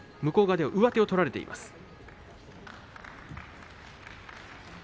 向こう側で上手を取られています。